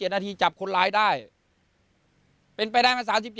นาทีจับคนร้ายได้เป็นไปได้มา๓๘